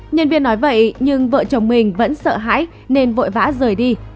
nhân viên nói vậy nhưng vợ chồng mình vẫn sợ hãi nên vội vã rời đi